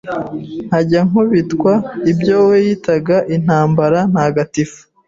nkajya nkubitwa ibyo we yitaga intambara ntagatifu